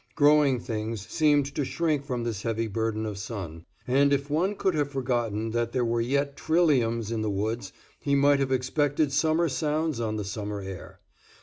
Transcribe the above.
Growing things seemed to shrink from this heavy burden of sun, and if one could have forgotten that there were yet trilliums in the woods, he might have expected summer sounds on the summer air.